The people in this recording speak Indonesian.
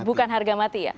bukan harga mati